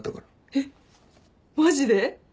えっマジで？